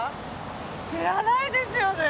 知らないですよね。